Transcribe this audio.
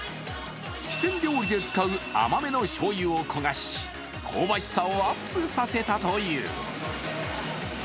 四川料理で使う甘めのしょうゆを焦がし、香ばしさをアップさせたという。